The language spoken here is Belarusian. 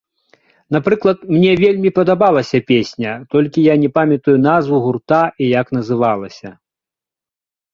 Напрыклад, мне вельмі падабалася песня, толькі я не памятаю назву гурта і як называлася.